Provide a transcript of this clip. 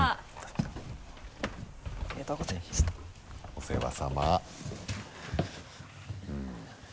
お世話さま。